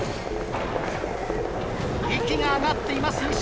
息が上がっています